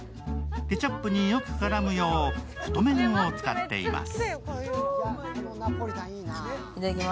ケチャップによく絡むよう太麺を使っています。